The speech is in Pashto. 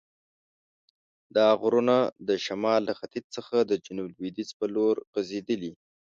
دا غرونه د شمال له ختیځ څخه د جنوب لویدیځ په لور غزیدلي.